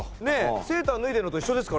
セーターを脱いでるのと一緒ですからね。